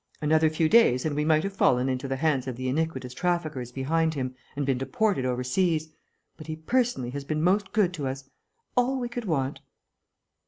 Another few days, and we might have fallen into the hands of the iniquitous traffickers behind him and been deported overseas but he personally has been most good to us. All we could want...."